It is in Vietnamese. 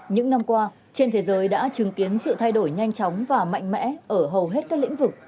những năm qua trên thế giới đã chứng kiến sự thay đổi nhanh chóng và mạnh mẽ ở hầu hết các lĩnh vực